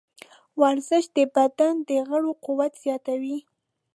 ورزش د بدن د غړو قوت زیاتوي.